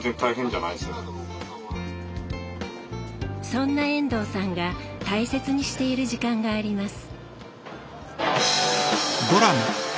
そんな遠藤さんが大切にしている時間があります。